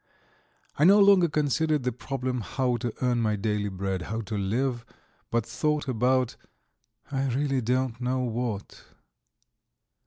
I no longer considered the problem how to earn my daily bread, how to live, but thought about I really don't know what.